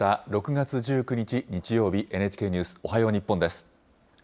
６月１９日日曜日、ＮＨＫニュースおはよう日本です。